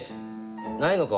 ないのか？